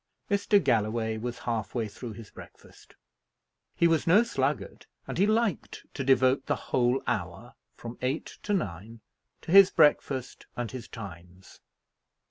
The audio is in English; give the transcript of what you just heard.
Mr. Galloway was half way through his breakfast. He was no sluggard; and he liked to devote the whole hour, from eight to nine, to his breakfast and his Times.